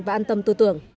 và an tâm tư tưởng